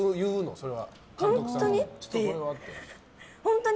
それは。